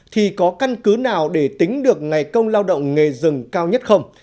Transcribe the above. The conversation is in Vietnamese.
thì có căn cứ nào để tính được ngày công lao động nghề rừng cao nhất không